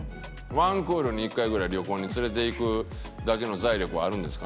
１クールに１回ぐらい旅行に連れていくだけの財力はあるんですか？